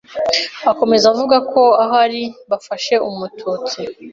Akomeza avuga ko aha ariho bafashe Umututsi